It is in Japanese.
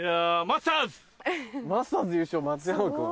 マスターズ優勝松山君？